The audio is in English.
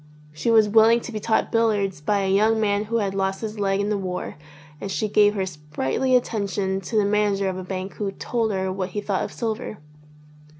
She was willing to be taught billiards by a young man who had lost his leg in the war and she gave her sprightly attention to the manager of a bank who told her what he thought of silver.